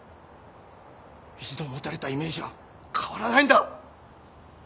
一度持たれたイメージは変わらないんだ。